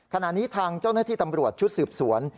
ขณะนี้ทางเจ้าหน้าที่ตำรวจชุดสืบสวน